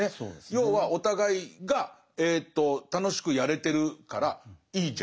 要はお互いが楽しくやれてるからいいじゃんっていう話ですもんね。